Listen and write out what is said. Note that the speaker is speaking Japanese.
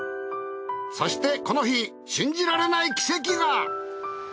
そしてこの日信じられない奇跡が！